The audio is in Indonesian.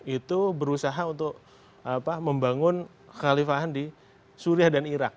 itu berusaha untuk membangun khalifahan di syria dan iraq